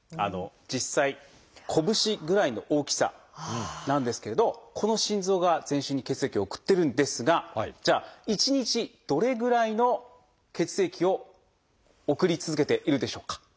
実際拳ぐらいの大きさなんですけれどこの心臓が全身に血液を送ってるんですがじゃあ一日どれぐらいの血液を送り続けているでしょうか？